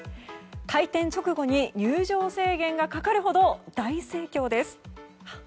開店直後に入場制限がかかるほど大盛況です。